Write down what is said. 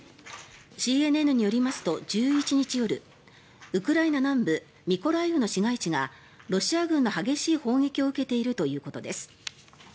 ＣＮＮによりますと、１１日夜ウクライナ南部ミコライウの市街地がロシア軍の激しい砲撃を受けているということです。